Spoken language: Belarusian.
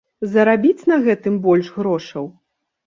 Зарабіць на гэтым больш грошаў?